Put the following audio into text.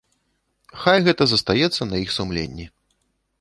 Хай гэта застаецца на іх сумленні.